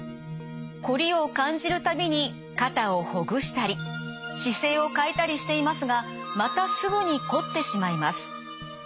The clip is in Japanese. こりを感じる度に肩をほぐしたり姿勢を変えたりしていますがまたすぐにこってしまいます。